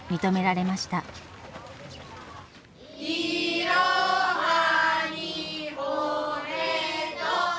「いろはにほへと」。